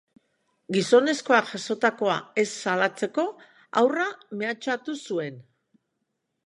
Gizonezkoak jazotakoa ez salatzeko haurra mehatxatu zuen.